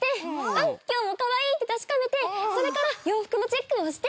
うん今日もかわいいって確かめてそれから洋服のチェックもして。